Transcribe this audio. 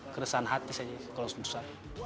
keresahan hati saya